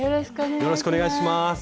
よろしくお願いします。